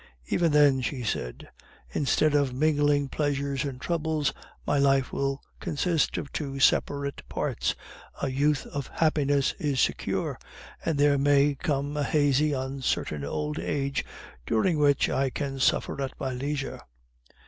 "Even then," she said, "instead of mingling pleasures and troubles, my life will consist of two separate parts a youth of happiness is secure, and there may come a hazy, uncertain old age, during which I can suffer at my leisure."